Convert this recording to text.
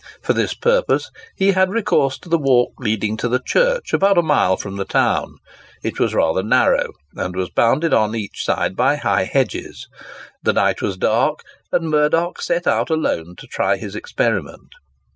For this purpose he had recourse to the walk leading to the church, about a mile from the town. It was rather narrow, and was bounded on each side by high hedges. The night was dark, and Murdock set out alone to try his experiment.